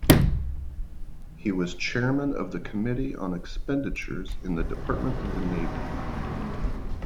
He was chairman of the Committee on Expenditures in the Department of the Navy.